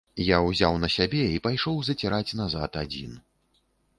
Я ўзяў на сябе і пайшоў заціраць назад адзін.